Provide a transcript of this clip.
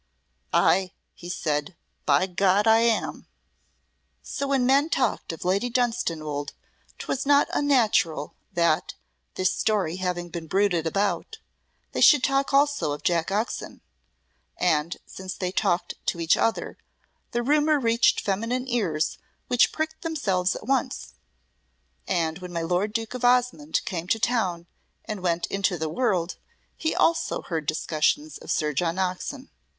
"Ay," he said, "by God! I am." So when men talked of Lady Dunstanwolde 'twas not unnatural that, this story having been bruited about, they should talk also of Jack Oxon, and since they talked to each other, the rumour reached feminine ears which pricked themselves at once; and when my lord Duke of Osmonde came to town and went into the world, he also heard discussions of Sir John Oxon.